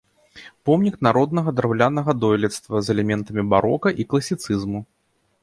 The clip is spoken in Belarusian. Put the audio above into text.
Помнік народнага драўлянага дойлідства з элементамі барока і класіцызму.